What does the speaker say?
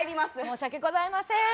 申し訳ございません